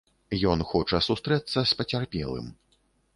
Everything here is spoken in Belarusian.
Ён хоча сустрэцца з пацярпелым.